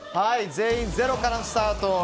全員０からのスタート。